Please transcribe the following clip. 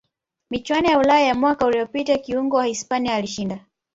michuano ya ulaya ya mwaka uliyopita kiungo wa hispania alishinda